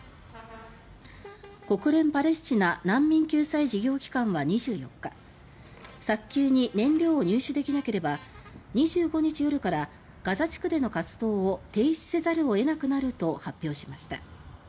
国連パレスチナ難民救済事業機関は２４日「早急に燃料を入手できなければ２５日夜からガザ地区での活動を停止せざるを得なくなる」と発表しました。